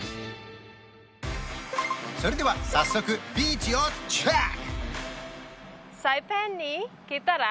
それでは早速ビーチをチェック！